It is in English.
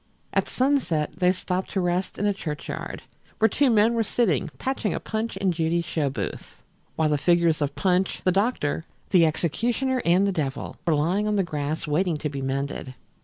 At sunset they stopped to rest in a churchyard, where two men were sitting patching a Punch and Judy show booth, while the figures of Punch, the doctor, the executioner and the devil were lying on the grass waiting to be mended.